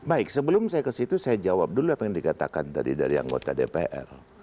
baik sebelum saya ke situ saya jawab dulu apa yang dikatakan tadi dari anggota dpr